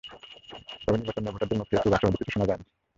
তবে নির্বাচন নিয়ে ভোটারদের মুখ থেকে খুব আশাবাদী কিছু শোনা যায়নি।